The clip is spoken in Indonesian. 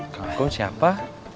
kang akum siapa